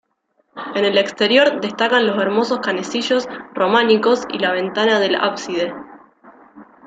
En el exterior destacan los hermosos canecillos románicos y la ventana del ábside.